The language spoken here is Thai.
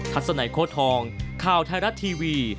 ทัศนโฆธองข่าวไทยรัฐทีวี